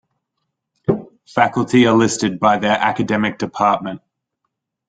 Faculty are listed by their academic department.